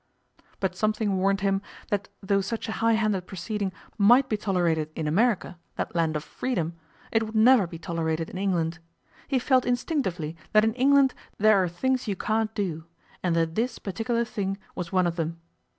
But something warned him that though such a high handed proceeding might be tolerated in America, that land of freedom, it would never be tolerated in England. He felt instinctively that in England there are things you can't do, and that this particular thing was one of them.